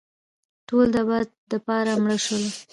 ټول دابد دپاره مړه شوله